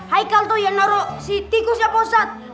haikal tuh yang naruh si tikusnya pak ustadz